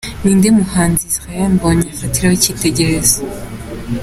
Ni nde muhanzi Israel Mbonyi afatiraho icyitegererezo?.